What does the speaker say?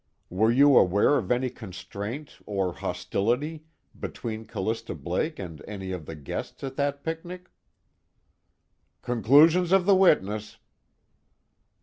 "Were you aware of any constraint, or hostility, between Callista Blake and any of the guests at that picnic?" "Conclusions of the witness."